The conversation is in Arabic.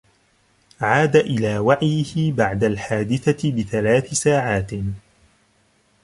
عاد إلى وعيه بعد الحادثة بثلاث ساعات.